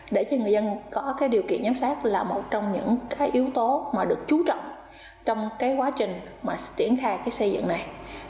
để cho người dân có điều kiện giám sát là một trong những yếu tố mà được chú trọng trong quá trình triển khai xây dựng này